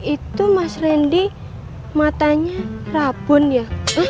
itu mas randy matanya rabun ya